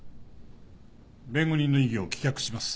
弁護人の異議を棄却します。